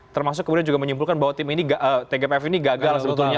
termasuk kemudian juga menyimpulkan bahwa tim tgpf ini gagal sebetulnya